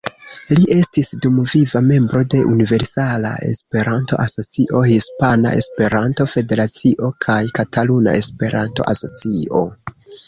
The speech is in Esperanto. Li estis dumviva membro de Universala Esperanto-Asocio, Hispana Esperanto-Federacio kaj Kataluna Esperanto-Asocio.